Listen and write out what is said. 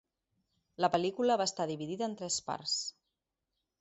La pel·lícula va estar dividida en tres parts.